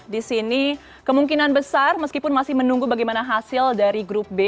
di sini kemungkinan besar meskipun masih menunggu bagaimana hasil dari grup b